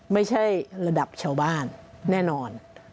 ไม่ใช่ระดับชาวบ้านแน่นอน